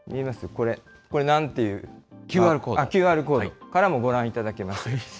これ、これ、ＱＲコードからもご覧いただけます。